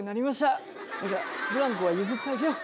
だからブランコは譲ってあげよう。